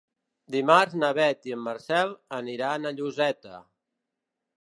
Dimarts na Beth i en Marcel aniran a Lloseta.